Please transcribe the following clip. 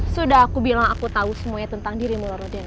sudah aku bilang aku tahu semuanya tentang dirimu roh roh dano